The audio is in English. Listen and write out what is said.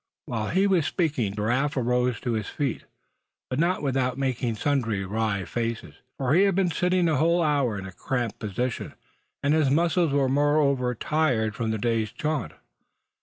While he was speaking Giraffe arose to his feet, but not without making sundry wry faces; for he had been sitting a whole hour in a cramped position, and his muscles were moreover tired from the day's jaunt.